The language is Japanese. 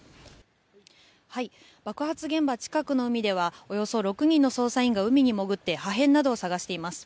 爆発現場近くの海ではおよそ６人の捜査員が海に潜って破片などを探しています。